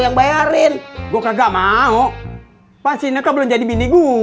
yang bayarin gua kagak mau pas ini ke belum jadi bini gue